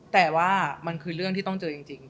แต่ว่ามันคือเรื่องที่ต้องเจอจริง